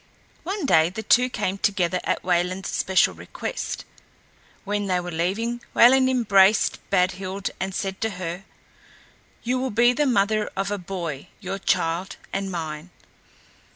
One day the two came together at Wayland's special request. When they were leaving Wayland embraced Badhild and said to her: "You will be the mother of a boy your child and mine.